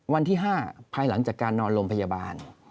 วันที่๕ภายหลังจากการนอนโรงพยาบาล